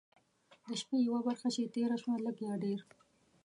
د شپې یوه برخه چې تېره شوه لږ یا ډېر.